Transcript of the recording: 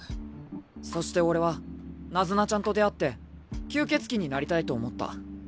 そして俺はナズナちゃんと出会って吸血鬼になりたいと思った。